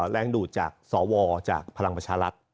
แรงดูดจากสอวรกับพลังประชารัฐ